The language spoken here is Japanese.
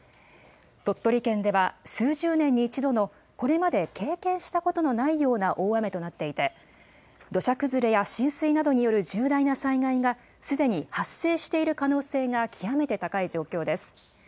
鳥取県では数十年の一度の、これまで経験したことのないような大雨となっていて、土砂崩れや浸水などによる重大な災害がすでに発生している可能性が極めて高い状況です。